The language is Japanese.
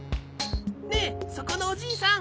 ねえそこのおじいさん。